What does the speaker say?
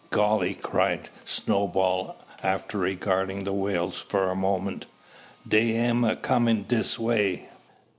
'" "Golly!" cried Snowball, after regarding the whales for a moment, "dey am a comin' dis way!"